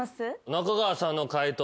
中川さんの解答